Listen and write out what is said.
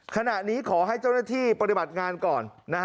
ขณะนี้ขอให้เจ้าหน้าที่ปฏิบัติงานก่อน